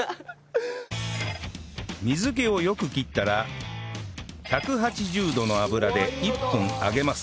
水気をよく切ったら１８０度の油で１分揚げます